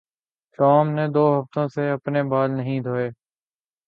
Tom نے دو ہفتوں سے اپنے بال نہیں دھوئے